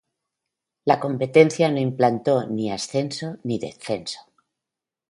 La competencia no implantó ni ascenso, ni descenso.